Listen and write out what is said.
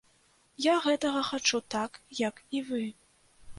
Я гэтага хачу так, як і вы.